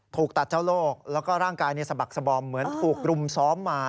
ถูกตัดเจ้าโลกแล้วก็ร่างกายสะบักสบอมเหมือนถูกรุมซ้อมมา